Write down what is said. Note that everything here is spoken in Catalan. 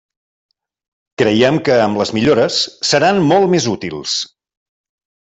Creiem que amb les millores seran molt més útils.